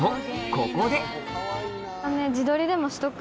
ここで？